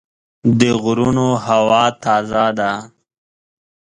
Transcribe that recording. د غرونو هوا تازه ده.